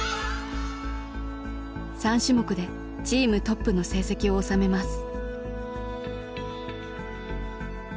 ３種目でチームトップの成績をおさめます。